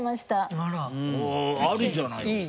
ありじゃないの？